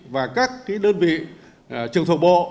và các đơn vị trường thổ bộ